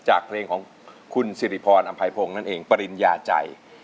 จากเพลงของคุณสิริพรอำไพพงศ์นั่นเองปริญญาใจ